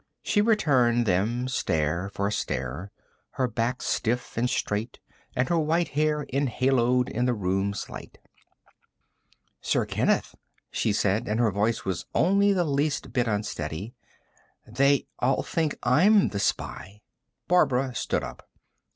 She returned them stare for stare, her back stiff and straight and her white hair enhaloed in the room's light. "Sir Kenneth," she said and her voice was only the least bit unsteady "they all think I'm the spy." Barbara stood up.